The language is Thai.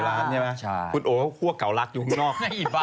คุณโอ้วเครื่องพวกเก่าลักอยู่ข้างนอก